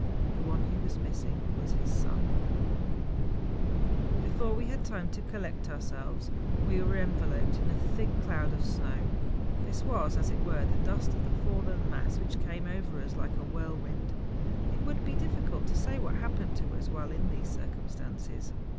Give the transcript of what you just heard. The one who was missing was his son ! Before we had time to collect ourselves, we were enveloped in a thick cloud of snow: this was, as it were, the dust of the fallen mass, which came over us like a whirlwind. It would be difficult to say what happened to us while in these circumstances.